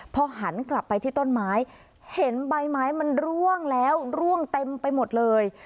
พอหันกลับไปที่ต้นไม้เห็นใบไม้มันร่วงแล้วร่วงเต็มไปหมดเลย